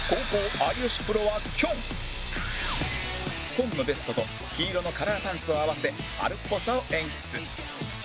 紺のベストと黄色のカラーパンツを合わせ春っぽさを演出